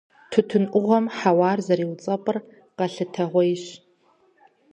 Тутын Ӏугъуэм хьэуар зэриуцӀэпӀыр къэлъытэгъуейщ.